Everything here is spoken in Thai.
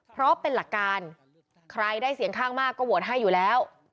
เพราะเป็นหลักการใครได้เสียงข้างมากก็โหวตให้อยู่แล้ว